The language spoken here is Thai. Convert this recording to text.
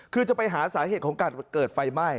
คือจะไปหาสาเหตุของการเกิดไฟไหม้